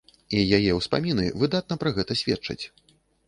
І яе ўспаміны выдатна пра гэта сведчаць.